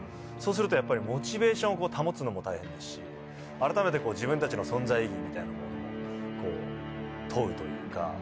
そうするとやっぱりモチベーションを保つのも大変ですしあらためて自分たちの存在意義みたいなものを問うというか。